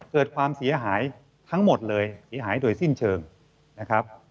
เกิดความเสียหายทั้งหมดเลยเสียหายโดยสิ้นเชิงนะครับ